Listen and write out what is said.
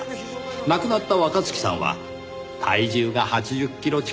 亡くなった若月さんは体重が８０キロ近くありました。